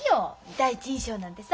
第一印象なんてさ。